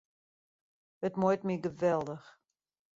It muoit my geweldich.